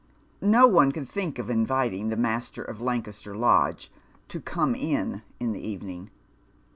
No one could think of inviting the master of Lancaster Lodge to " come in " in the evening.